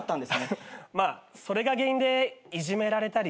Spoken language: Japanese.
まあそれが原因でいじめられたりしてて。